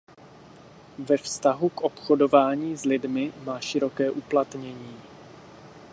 Ve vztahu k obchodování s lidmi má široké uplatnění.